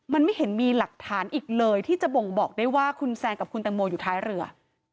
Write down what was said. มันไม่เห็นมีหลักฐานอีกเลยที่จะบ่งบอกได้ว่าคุณแซนกับคุณตังโมอยู่ท้ายเรือ